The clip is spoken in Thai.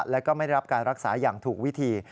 แล้วก็ไม่ได้รับการรักษาอย่างถูกวิธี